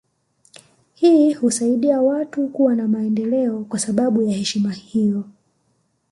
Hii husaidia watu kuwa na maendeleo kwa sababu ya heshima hiyo